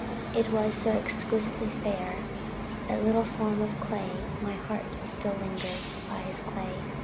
It was so exquisitely fair, That little form of clay my heart Still lingers by his clay.